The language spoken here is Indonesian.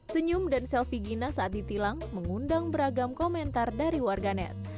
senyum dan selfie gina saat ditilang mengundang beragam komentar dari warganet